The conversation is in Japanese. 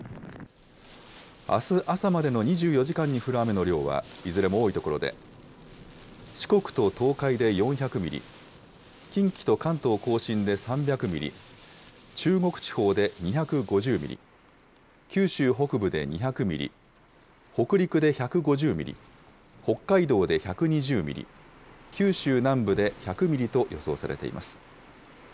あす朝までの２４時間に降る雨の量はいずれも多い所で、四国と東海で４００ミリ、近畿と関東甲信で３００ミリ、中国地方で２５０ミリ、九州北部で２００ミリ、北陸で１５０ミリ、北海道で１２０ミリ、九州南部で１００ミリと予想されています。